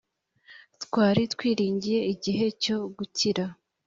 twari twiringiye igihe cyo gukira